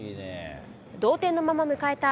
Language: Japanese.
同点のまま迎えた